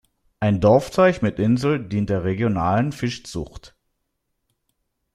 Ein Dorfteich mit Insel dient der regionalen Fischzucht.